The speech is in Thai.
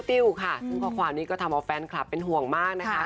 ติ้วค่ะซึ่งข้อความนี้ก็ทำเอาแฟนคลับเป็นห่วงมากนะคะ